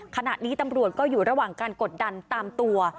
ขณะนี้ตำรวจก็อยู่ระหว่างการกดดันตามตัว